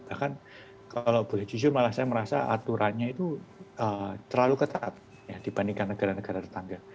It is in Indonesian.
bahkan kalau boleh jujur malah saya merasa aturannya itu terlalu ketat dibandingkan negara negara tetangga